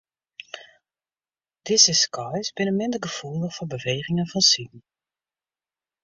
Dizze skys binne minder gefoelich foar bewegingen fansiden.